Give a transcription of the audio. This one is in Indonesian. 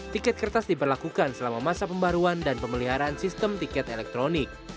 tiket kertas diberlakukan selama masa pembaruan dan pemeliharaan sistem tiket elektronik